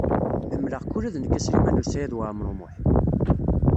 Ḥemmleɣ-k ula d nekk a Sliman U Saɛid Waɛmaṛ U Muḥ.